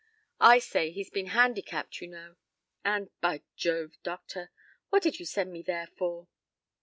I say, he's been handicapped, you know. And Bah Jove! doctor, what did you send me there for?"